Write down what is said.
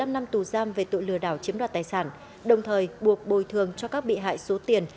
một mươi năm năm tù giam về tội lừa đảo chiếm đoạt tài sản đồng thời buộc bồi thường cho các bị hại số tiền